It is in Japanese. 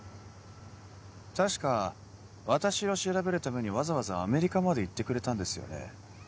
確か私を調べるためにわざわざアメリカまで行ってくれたんですよね